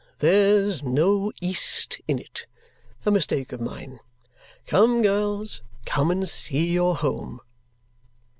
There's no east in it. A mistake of mine. Come, girls, come and see your home!"